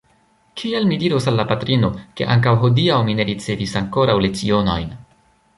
Kiel mi diros al la patrino, ke ankaŭ hodiaŭ mi ne ricevis ankoraŭ lecionojn!